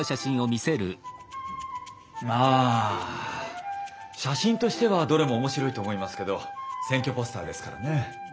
ああ写真としてはどれも面白いと思いますけど選挙ポスターですからね。